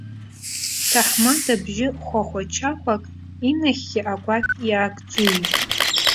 Ҭаҳмада быжь хәахәачахәак инахьхьи акәакь иаакҿыҩит.